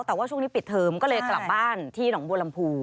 แต่ว่าช่วงนี้ปิดเทอมก็เลยกลับบ้านที่หนองบัวลำพู